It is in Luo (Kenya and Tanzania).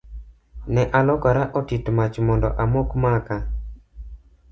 Ne alokora otit mach mondo amok maka.